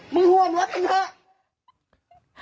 มึงห่วงรถมื้อ